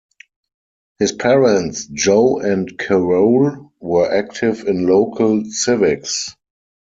His parents, Joe and Carole, were active in local civics.